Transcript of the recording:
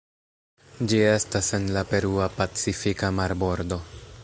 Ĝi estas en la Perua Pacifika marbordo.